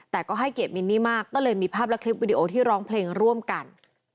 แต่ก็ให้เกียรติมินนี่มากก็เลยมีภาพและคลิปวิดีโอที่ร้องเพลงร่วมกัน